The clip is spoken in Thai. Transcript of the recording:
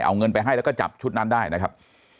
เอาเงินไปให้แล้วก็จับชุดนั้นได้นะครับ